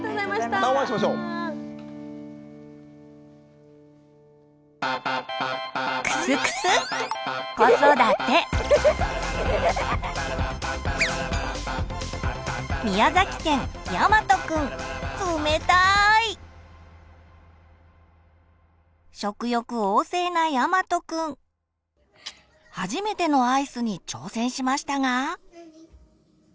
初めてのアイスに挑戦しましたが。